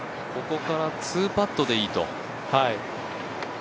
ここから２パットでいいと。